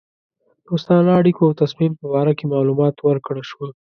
دوستانه اړېکو او تصمیم په باره کې معلومات ورکړه شوه.